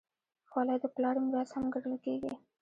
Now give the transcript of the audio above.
خولۍ د پلار میراث هم ګڼل کېږي.